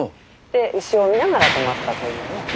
で牛をみながら泊まったというね。